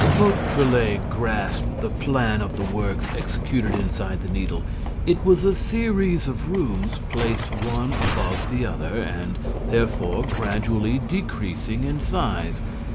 Beautrelet grasped the plan of the works executed inside the Needle. It was a series or rooms placed one above the other and, therefore, gradually decreasing in size.